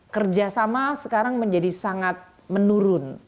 kerjasama sekarang menjadi sangat menurun